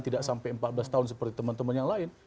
tidak sampai empat belas tahun seperti teman teman yang lain